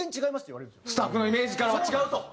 スタッフのイメージからは違うと。